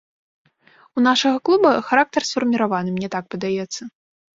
У нашага клуба характар сфарміраваны, мне так падаецца.